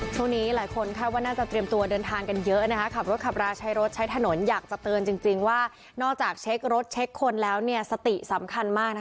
ช่วงนี้หลายคนคาดว่าน่าจะเตรียมตัวเดินทางกันเยอะนะคะขับรถขับราใช้รถใช้ถนนอยากจะเตือนจริงว่านอกจากเช็ครถเช็คคนแล้วเนี่ยสติสำคัญมากนะคะ